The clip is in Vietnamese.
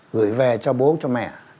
gửi về cho bố cho mẹ